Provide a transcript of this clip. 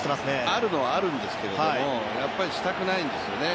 あるのはあるんですけどやっぱりしたくないんですよね。